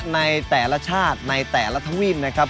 ในแต่ละชาติในแต่ละทวีปนะครับ